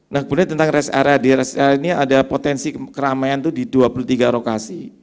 nah kemudian tentang rest area di rest area ini ada potensi keramaian itu di dua puluh tiga lokasi